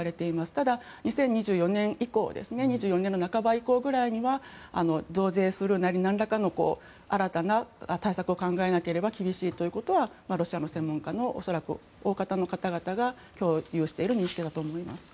ただ、２０２４年以降２０２４年の半ば以降ぐらいには増税するなり、なんらかの新たな対策を考えなければ厳しいということはロシアの専門家の方々の恐らく大方の方々が共有している認識だと思います。